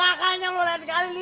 udah opong mau gue tambahin